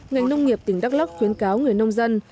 ngành nông nghiệp tỉnh đắk lắc khuyến cáo người nông dân